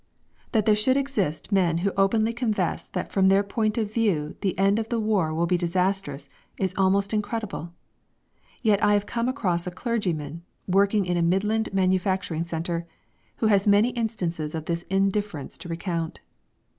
That there should exist men who openly confess that from their point of view the end of the war will be disastrous is almost incredible. Yet I have come across a clergyman, working in a Midland manufacturing centre, who has many instances of this indifference to recount.